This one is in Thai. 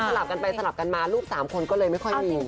ลับกันไปสลับกันมาลูก๓คนก็เลยไม่ค่อยมี